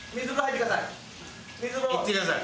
水風呂入ってください。